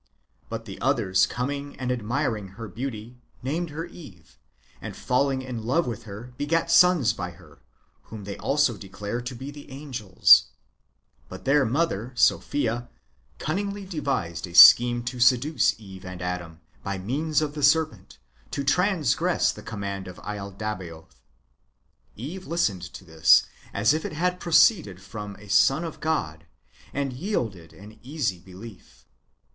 But the others coming and admiring her beauty, named her Eve, and falling in love with her, begat sons by her, whom they also declare to be the angels. But their mother (Sophia) cunningly devised a scheme to seduce Eve and Adam, by means of the serpent, to transgress the command of laldabaoth. Eve listened to this as if it had proceeded from a son of God, and yielded an easy belief.